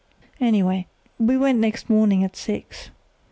"Anyway, we went next morning at six.